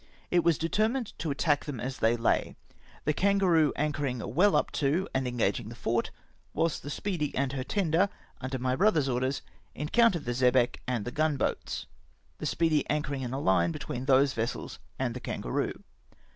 It was de termined to attack them as they lay ; the Kangaroo anchoring well up to and engaging the fort, whilst the Speedy and her tender under my brother's orders, en countered the xebec and the gun boats — the Speedy anchoring in a hue between those vessels and the Kan garoo.